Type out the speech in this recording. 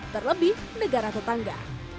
terlebih negara tetangga